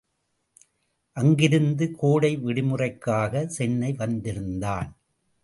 அங்கிருந்து கோடை விடுமுறைக்காகச் சென்னை வந்திருந்தான்.